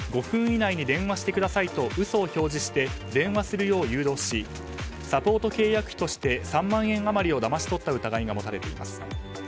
５分以内に電話してくださいと嘘を表示して電話するよう誘導しサポート契約費として３万円余りをだまし取った疑いが持たれています。